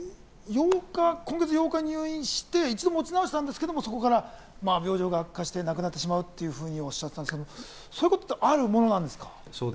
佐藤先生、今月８日に入院して一度持ち直したんですけれど、そこから病状が悪化して亡くなってしまうというふうなことですけど、そういうことってあるものですか？